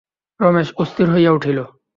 রমেশ অস্থির হইয়া উঠিল।